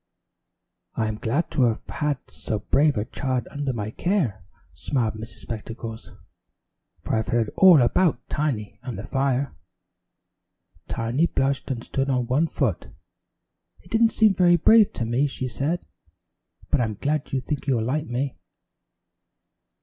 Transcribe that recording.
"I'm glad to have so brave a child under my care," smiled Miss Spectacles, "for I've heard all about Tiny and the fire." Tiny blushed and stood on one foot. "It didn't seem very brave to me," she said, "but I'm glad you think you'll like me."